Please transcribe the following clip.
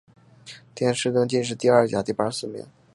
殿试登进士第二甲第八十四名。